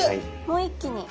もう一気に。